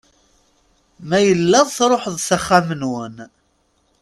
Ma yella truḥeḍ s axxam-nwen.